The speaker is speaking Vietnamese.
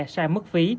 sai mức phí